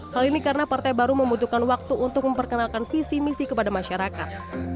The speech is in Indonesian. hal ini karena partai baru membutuhkan waktu untuk memperkenalkan visi misi kepada masyarakat